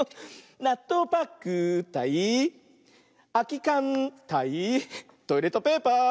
なっとうパックたいあきかんたいトイレットペーパー。